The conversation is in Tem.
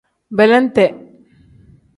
Belente.